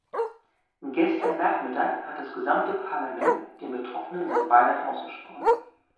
Gestern nachmittag hat das gesamte Parlament den Betroffenen sein Beileid ausgesprochen.